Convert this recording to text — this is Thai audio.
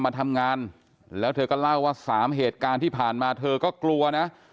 มาทำงานแล้วเธอก็เล่าว่าสามเหตุการณ์ที่ผ่านมาเธอก็กลัวนะ